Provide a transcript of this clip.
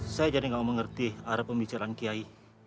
saya jadi nggak mengerti arah pembicaraan kiai